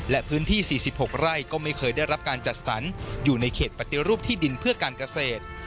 และพื้นที่๔๖ไร่ก็ไม่เคยได้รับการจัดสรรอยู่ในเขตปฏิรูปที่ดินเพื่อการเกษตร